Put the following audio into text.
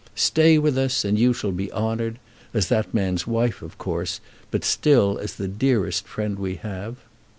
Stay with us, and you shall be honoured, as that man's wife of course, but still as the dearest friend we have."